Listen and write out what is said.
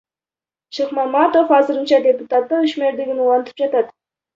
Шыкмаматов азырынча депутаттык ишмердигин улантып жатат.